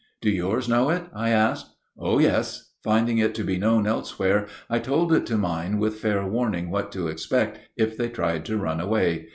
"Do yours know it?" I asked. "Oh, yes. Finding it to be known elsewhere, I told it to mine with fair warning what to expect if they tried to run away.